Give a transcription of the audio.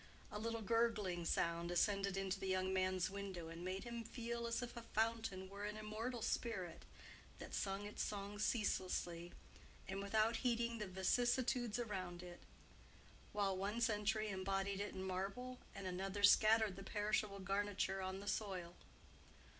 A little gurgling sound ascended to the young man's window, and made him feel as if the fountain were an immortal spirit that sung its song unceasingly and without heeding the vicissitudes around it, while one century imbodied it in marble and another scattered the perishable garniture on the soil.